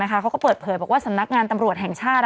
เขาก็เปิดเผยบอกว่าสำนักงานตำรวจแห่งชาติ